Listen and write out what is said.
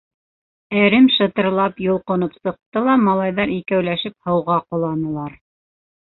Әрем шытырлап йолҡоноп сыҡты ла малайҙар икәүләп һыуға ҡоланылар.